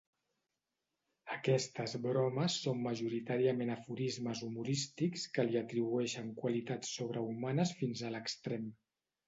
Aquestes bromes són majoritàriament aforismes humorístics que li atribueixen qualitats sobrehumanes fins a l'extrem.